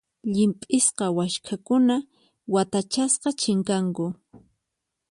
Llimp'isqa waskhakuna watachasqa chinkanku.